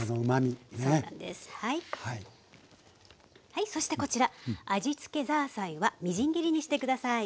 はいそしてこちら味つきザーサイはみじん切りにして下さい。